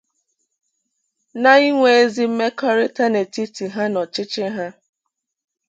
na inwe ezi mmekọrịta n'etiti ha na ọchịchị ya.